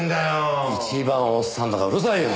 一番おっさんとかうるさいよ！